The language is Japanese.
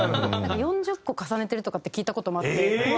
なんか４０個重ねてるとかって聞いた事もあって。